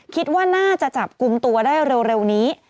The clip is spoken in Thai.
คิดว่าน่าจะจับกลุ่มตัวได้เร็วนี้